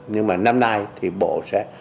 nhưng mà năm nay thì bộ sẽ